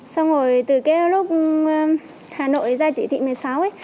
xong rồi từ lúc hà nội ra chỉ thị một mươi sáu